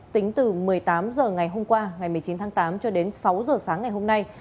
tính từ một mươi tám h ngày hôm qua ngày một mươi chín tháng tám cho đến sáu h sáng ngày hôm nay